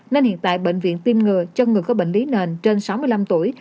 nên hiện tại bệnh viện tiêm ngừa chân người có bệnh lý nền trên sáu mươi năm tuổi